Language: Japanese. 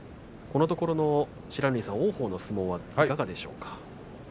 このところの王鵬の相撲はいかがでしょうか。